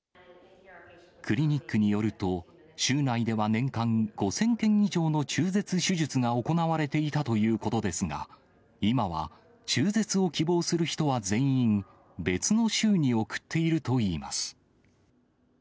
クリニックによると、州内では年間５０００件以上の中絶手術が行われていたということですが、今は中絶を希望する人は全員、別の州に送っているといいます。